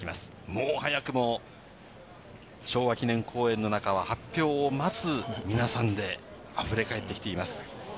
もう早くも昭和記念公園の中は発表を待つ皆さんであふれかえってきています。